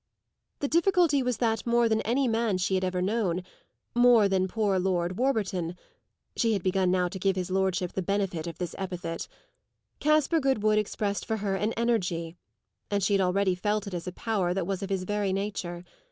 The difficulty was that more than any man she had ever known, more than poor Lord Warburton (she had begun now to give his lordship the benefit of this epithet), Caspar Goodwood expressed for her an energy and she had already felt it as a power that was of his very nature.